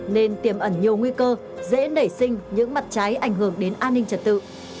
nên tiềm ẩn nhiều nguy cơ dễ nảy sinh những mặt trái ảnh hưởng đến an ninh trật tự